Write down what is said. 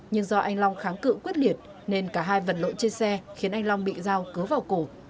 nhưng do anh long kháng cự quyết liệt nên cả hai vật lộn trên xe khiến anh long bị dao cớ vào cổ